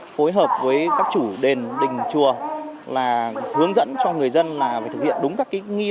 phối hợp với các chủ đền đình chùa hướng dẫn cho người dân là phải thực hiện đúng các nghi lễ đúng các quy định